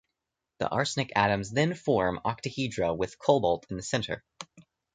The As atoms then form octahedra with Co in the centre.